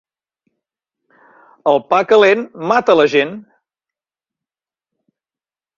El pa calent mata la gent.